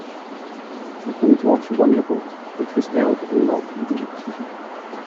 McIntosh won the vote, which was held in Malton.